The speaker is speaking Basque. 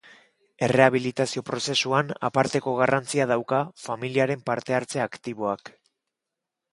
Errehabilitazio prozesuan aparteko garrantzia dauka familiaren parte-hartze aktiboak.